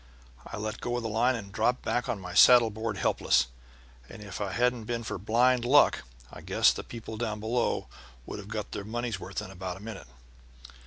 I let go of the line and dropped back on my saddle board helpless, and if it hadn't been for blind luck I guess the people down below would have got their money's worth in about a minute.